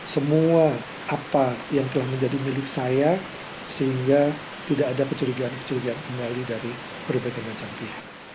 semua apa yang telah menjadi milik saya sehingga tidak ada pecurigaan pecurigaan kemali dari perubahan dengan cantik